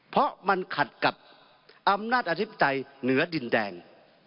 เพราะมันขัดกับอำนาจอธิปไตยเหนือดินแดง